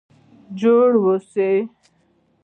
جوړ اوسئ؟